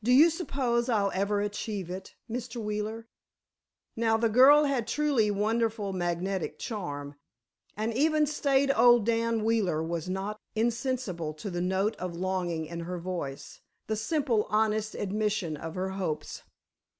Do you suppose I'll ever achieve it, Mr. Wheeler?" Now the girl had truly wonderful magnetic charm, and even staid old Dan Wheeler was not insensible to the note of longing in her voice, the simple, honest admission of her hopes.